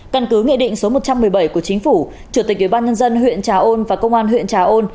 căn cứ nghị định số một trăm một mươi bảy của chính phủ chủ tịch ubnd huyện trà ôn và công an huyện trà ôn